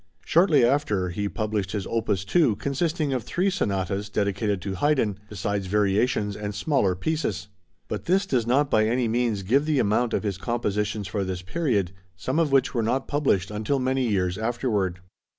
Shortly after, he published his opus 2, consisting of three sonatas dedicated to Haydn, besides variations and smaller pieces. But this does not by any means give the amount of his compositions for this period, some of which were not published until many years afterward.